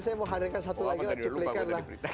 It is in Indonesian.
saya mau hadirkan satu lagi cuplikan lah